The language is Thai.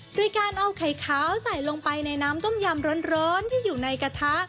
โดยการเอาไข่ขาวใส่ลงไปในน้ำต้มยำร้อนที่อยู่ในกระทะ